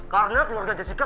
karena keluarga jessica